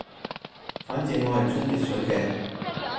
反正我係沖熱水嘅